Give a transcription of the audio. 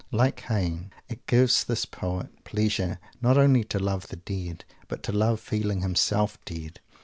Like Heine, it gave this poet pleasure not only to love the Dead, but to love feeling himself dead.